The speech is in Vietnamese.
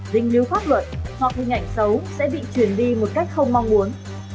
rình lưu pháp luật hoặc hình ảnh xấu sẽ bị truyền đi một cách không mong muốn